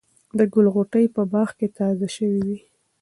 د ګل غوټۍ په باغ کې تازه شوې وې.